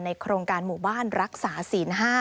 โครงการหมู่บ้านรักษาศีล๕